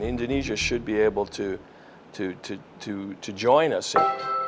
dan indonesia harus dapat menyertai kami